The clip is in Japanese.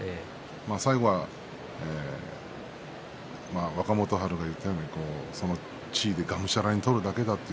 最後は若元春が言ったようにその地位でがむしゃらに取るだけだと。